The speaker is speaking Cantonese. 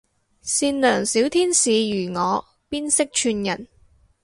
善良小天使如我邊識串人